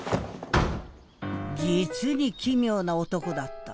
実に奇妙な男だった。